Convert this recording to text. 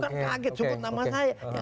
kan kaget sebut nama saya